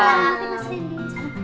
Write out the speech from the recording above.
terima kasih rindy